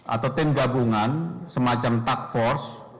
atau tim gabungan semacam takfors